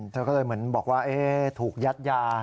เธอก็เลยเหมือนบอกว่าถูกยัดยา